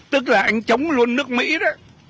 tức là anh chống luôn nước mỹ đó